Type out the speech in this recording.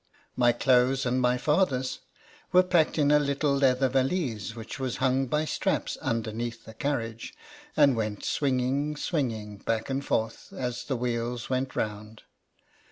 My clothes and my father's were packed in a little leather valise which was hung by straps under INTRODUCTION. neath the carriage, and went swinging, swinging, back and forth, as the wheels went round.